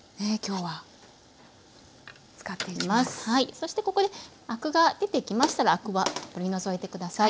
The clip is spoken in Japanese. そしてここでアクが出てきましたらアクは取り除いて下さい。